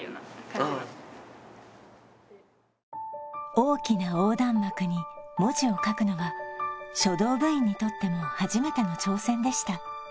大きな横断幕に文字を書くのは書道部員にとっても初めての挑戦でした